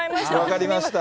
分かりました。